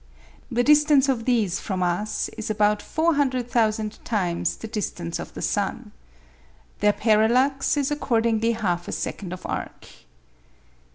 The distance of these from us is about 400,000 times the distance of the sun. Their parallax is accordingly half a second of arc.